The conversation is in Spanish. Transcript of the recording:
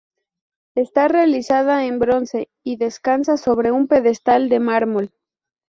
Está realizada en bronce y descansa sobre un pedestal de mármol.